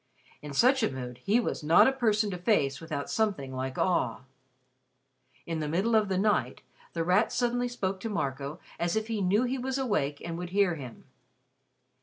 In such a mood, he was not a person to face without something like awe. In the middle of the night, The Rat suddenly spoke to Marco as if he knew that he was awake and would hear him.